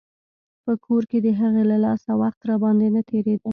په کور کښې د هغې له لاسه وخت راباندې نه تېرېده.